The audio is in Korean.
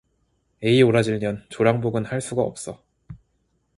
에이, 오라질년, 조랑복은 할 수가 없어